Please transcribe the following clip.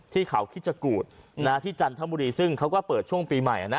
ที่ข่าวขี้จากูดนะฮะที่จันทบุรีซึ่งเขาก็เปิดช่วงปีใหม่อ่ะนะ